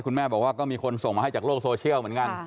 คุณแม่บอกว่าก็มีคนส่งมาให้จากโลกโซเชียลเหมือนกัน